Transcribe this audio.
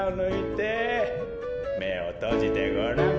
めをとじてごらん。